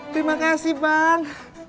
terima kasih bang